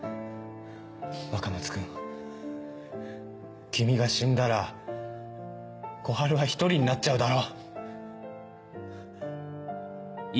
若松君君が死んだら小春が一人になっちゃうだろ。